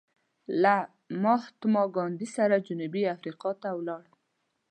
له مهاتما ګاندې سره جنوبي افریقا ته ولاړ.